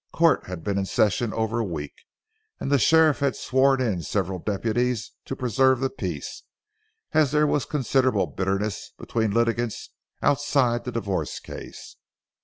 Court had been in session over a week, and the sheriff had sworn in several deputies to preserve the peace, as there was considerable bitterness between litigants outside the divorce case.